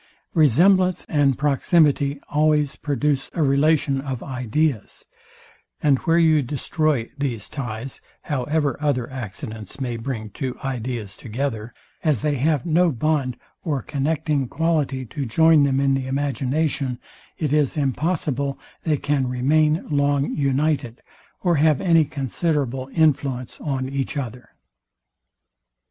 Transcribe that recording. Resemblance and proximity always produce a relation of ideas; and where you destroy these ties, however other accidents may bring two ideas together; as they have no bond or connecting quality to join them in the imagination; it is impossible they can remain long united, or have any considerable influence on each other.